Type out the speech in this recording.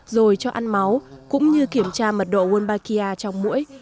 rồi cho ăn máu cũng như kiểm tra mật độ wombakia trong mũi